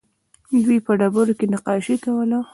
دوی په ډبرو کې نقاشي کوله